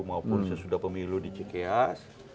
maupun sesudah pemilu di cikeas